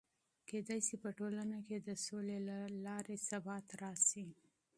کېدای سي په ټولنه کې د سولې له لارې ثبات راسي.